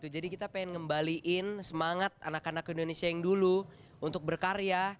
jadi kita pengen ngembalikan semangat anak anak indonesia yang dulu untuk berkarya